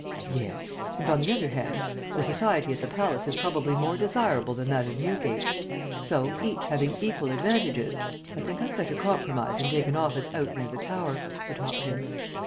"Yes; and on the other hand, the society at the palace is probably more desirable than that of Newgate; so each having equal advantages, I think I'd better compromise and take an office out near the Tower," said Hopkins.